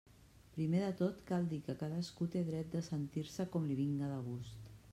Primer de tot cal dir que cadascú té dret de sentir-se com li vinga de gust.